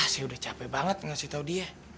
saya udah capek banget ngasih tahu dia